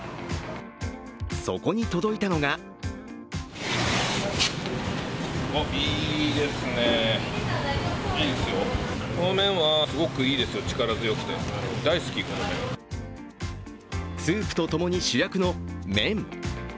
そこに届いたのがスープとともに主役の麺。